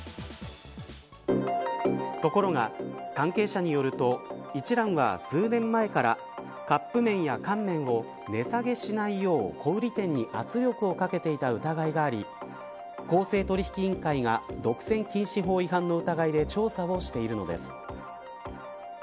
ところが関係者によると一蘭は数年前からカップ麺や乾麺を値下げしないよう小売り店に圧力をかけていた疑いがあり公正取引委員会が独占禁止法違反の疑いで調査をしているのです。